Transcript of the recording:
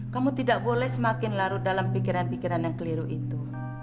kamu tidak boleh semakin larut dalam pikiran pikiran yang keliru itu